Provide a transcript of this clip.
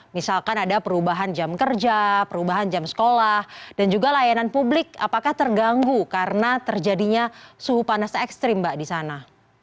misalkan ada perubahan jam kerja perubahan jam sekolah dan juga layanan publik apakah terganggu karena terjadinya suhu panas ekstrim mbak di sana